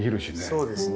そうですね。